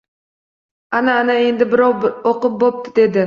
«Ana, ana endi birov o‘qib bo‘pti, — dedi.